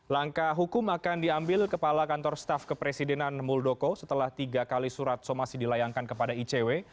langkah hukum akan diambil kepala kantor staf kepresidenan muldoko setelah tiga kali surat somasi dilayangkan kepada icw